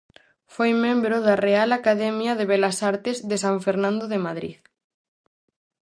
Foi membro da Real Academia de Belas Artes de San Fernando de Madrid.